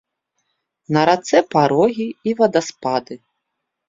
На рацэ парогі і вадаспады.